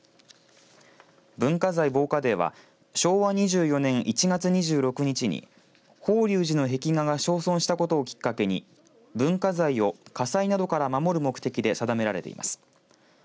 文化財防火デーは昭和２４年１月２６日に法隆寺の壁画が焼損したことをきっかけに文化財を火災などから守る目的で定められています。